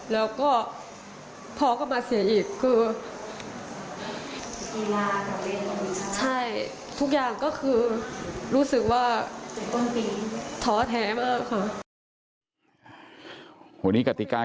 แล้วก็พ่อกลับมาเสียอีกคือใช่ทุกอย่างก็คือรู้สึกว่าท้อแท้มากค่ะ